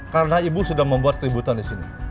karena ibu sudah membuat keributan di sini